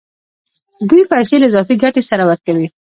دوی پیسې له اضافي ګټې سره ورکوي